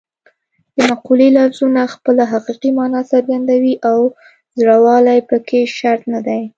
د مقولې لفظونه خپله حقیقي مانا څرګندوي او زوړوالی پکې شرط نه دی